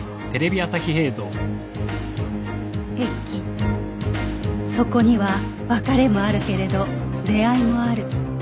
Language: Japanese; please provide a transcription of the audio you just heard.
駅そこには別れもあるけれど出会いもある